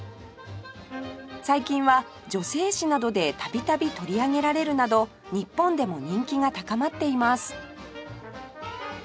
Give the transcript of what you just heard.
最近は女性誌などで度々取り上げられるなど日本でも人気が高まっています